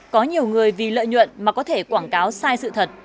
có nhiều người vì lợi nhuận mà có thể quảng cáo sai sự thật